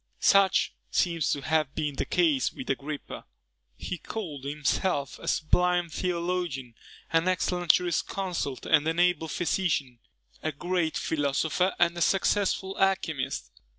Such seems to have been the case with Agrippa. He called himself a sublime theologian, an excellent jurisconsult, an able physician, a great philosopher, and a successful alchymist.